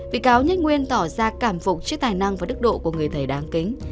vị cáo nhất nguyên tỏ ra cảm phục chiếc tài năng và đức độ của người thầy đáng kính